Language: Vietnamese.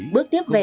bước tiếp về